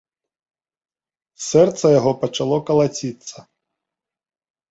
Сэрца яго пачало калаціцца.